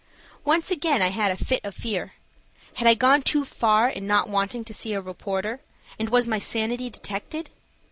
Once again I had a fit of fear. Had I gone too far in not wanting to see a reporter, and was my sanity detected?